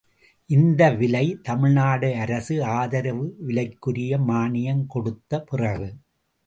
இந்த விலை தமிழ்நாடு அரசு ஆதரவு விலைக்குரிய மான்யம் கொடுத்தபிறகு!